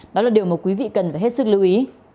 đó là điều mà quý vị cần phải hết sức lưu ý